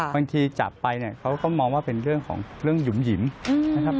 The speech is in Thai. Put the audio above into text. บางทีจับไปเนี่ยเขาก็มองว่าเป็นเรื่องของเรื่องหยุ่มหิมนะครับ